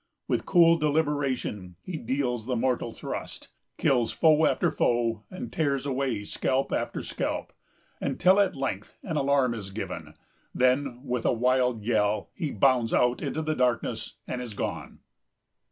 With cool deliberation he deals the mortal thrust, kills foe after foe, and tears away scalp after scalp, until at length an alarm is given; then, with a wild yell, he bounds out into the darkness, and is gone.